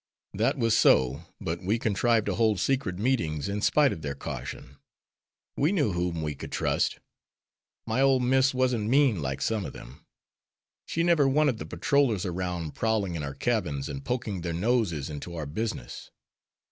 "That was so. But we contrived to hold secret meetings in spite of their caution. We knew whom we could trust. My ole Miss wasn't mean like some of them. She never wanted the patrollers around prowling in our cabins, and poking their noses into our business.